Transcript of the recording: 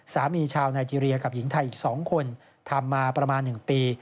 ชาวไนเจรียกับหญิงไทยอีก๒คนทำมาประมาณ๑ปี